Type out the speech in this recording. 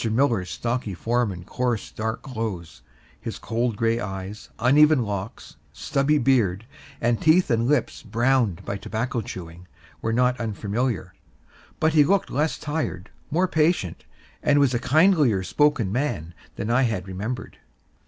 Miller's stocky form in coarse, dark clothes, his cold gray eyes, uneven locks, stubby beard, and teeth and lips browned by tobacco, chewing, were not unfamiliar; but he looked less tired, more patient, and was a kindlier spoken man than I had remembered.